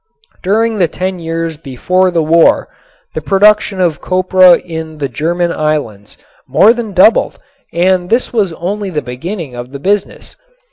During the ten years before the war, the production of copra in the German islands more than doubled and this was only the beginning of the business.